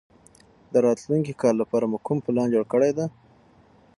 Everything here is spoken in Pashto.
د راتلونکي کال لپاره مو کوم پلان جوړ کړی دی؟